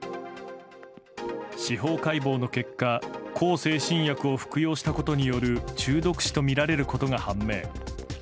司法解剖の結果向精神薬を服用したことによる中毒死とみられることが判明。